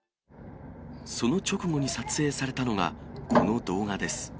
その直後に撮影されたのが、この動画です。